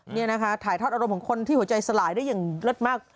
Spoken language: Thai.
นี่นะคะถ่ายทอดอารมณ์ของคนที่หัวใจสลายได้อย่างเลิศมาก